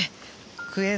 クエン